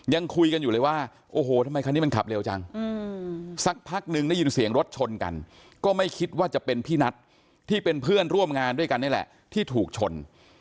ยังคุยกันอยู่เลยว่าโอ้โหทำไมคันนี้มันขับเร็วจังสักพักนึงได้ยินเสียงรถชนกันก็ไม่คิดว่าจะเป็นพี่นัทที่เป็นเพื่อนร่วมงานด้วยกันนี่แหละที่ถูกชน